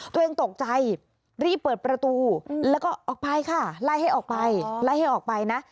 ตัวเองตกใจรีบเปิดประตูแล้วก็ออกไปค่ะไล่ให้ออกไปไล่ให้ออกไปนะ